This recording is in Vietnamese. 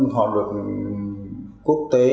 họ được quốc tế